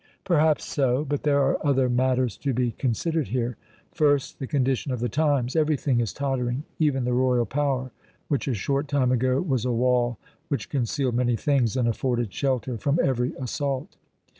"Perhaps so. But there are other matters to be considered here. First, the condition of the times. Everything is tottering, even the royal power, which a short time ago was a wall which concealed many things and afforded shelter from every assault.